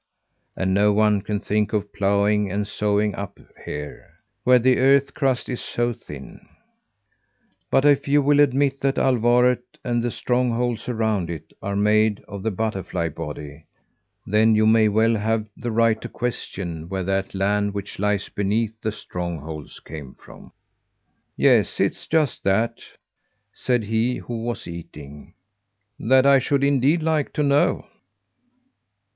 And no one can think of ploughing and sowing up here, where the earth crust is so thin. But if you will admit that Alvaret and the strongholds around it, are made of the butterfly body, then you may well have the right to question where that land which lies beneath the strongholds came from." "Yes, it is just that," said he who was eating. "That I should indeed like to know."